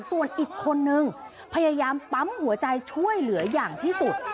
ส่วนอีกคนนึงพยายามปั๊มหัวใจช่วยเหลืออย่างที่สุด